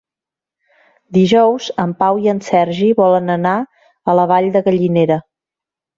Dijous en Pau i en Sergi volen anar a la Vall de Gallinera.